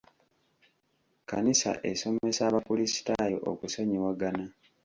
Kkanisa esomesa abakrisitaayo okusonyiwagana.